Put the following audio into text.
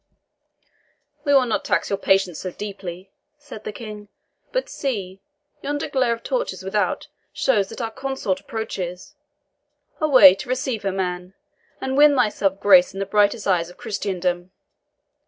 "We will not tax your patience so deeply," said the King. "But see, yonder glare of torches without shows that our consort approaches. Away to receive her, man, and win thyself grace in the brightest eyes of Christendom.